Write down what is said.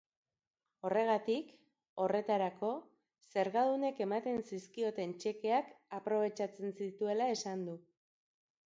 Horregatik, horretarako, zergadunek ematen zizkioten txekeak aprobetxatzen zituela esan du.